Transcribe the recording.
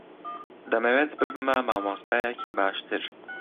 دەمەوێت ببمە مامۆستایەکی باشتر.